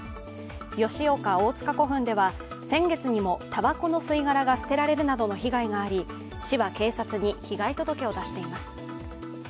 吉岡大塚古墳では、先月にもたばこの吸い殻が捨てられるなどの被害があり市は警察に被害届を出しています。